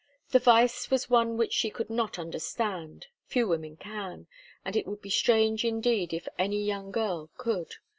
The vice was one which she could not understand. Few women can; and it would be strange, indeed, if any young girl could.